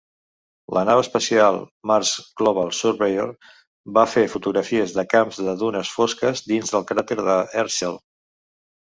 La nau espacial "Mars Global Surveyor" va fer fotografies de camps de dunes fosques dins del cràter de Herschel.